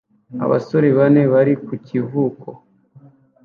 Abasore bane bari ku kivuko